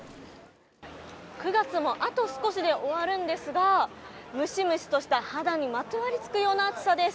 ９月もあと少しで終わるんですがムシムシとした、肌にまとわりつくような暑さです。